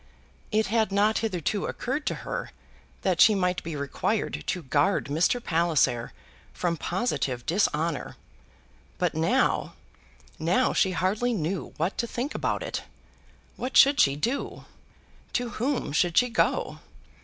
It had not hitherto occurred to her that she might be required to guard Mr. Palliser from positive dishonour; but now now she hardly knew what to think about it. What should she do? To whom should she go?